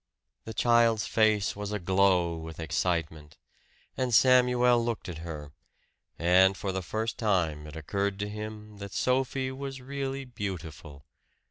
The child's face was aglow with excitement; and Samuel looked at her, and for the first time it occurred to him that Sophie was really beautiful.